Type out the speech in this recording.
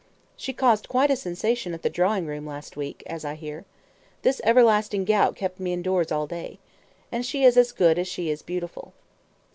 "She caused quite a sensation at the drawing room last week as I hear. This everlasting gout kept me indoors all day. And she is as good as she is beautiful."